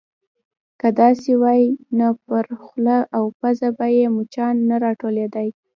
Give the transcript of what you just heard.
_که داسې وای، نو پر خوله او پزه به يې مچان نه راټولېدای.